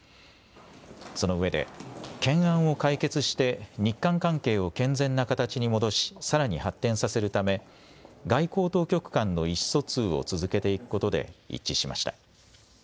そのうえで懸案を解決して日韓関係を健全な形に戻しさらに発展させるため外交当局間の意思疎通を続けていくことで一致しました。